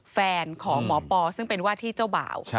แฟนของหมอปอซึ่งเป็นว่าที่เจ้าบ่าว